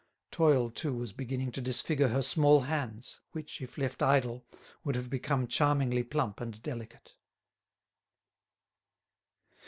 Toil too was beginning to disfigure her small hands, which, if left idle, would have become charmingly plump and delicate.